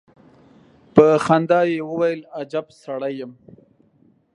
په خندا يې وويل: اجب سړی يم.